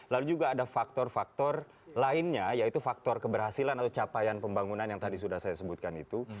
lalu juga ada faktor faktor lainnya yaitu faktor keberhasilan atau capaian pembangunan yang tadi sudah saya sebutkan itu